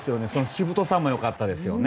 しぶとさも良かったですよね。